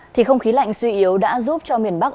thì không khí lạnh suy yếu đã giúp cho miền bắc